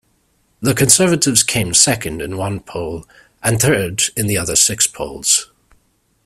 The Conservatives came second in one poll, and third in the other six polls.